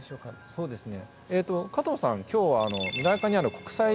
そうですね。